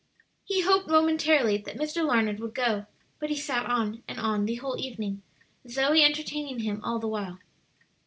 He hoped momentarily that Mr. Larned would go, but he sat on and on the whole evening, Zoe entertaining him all the while.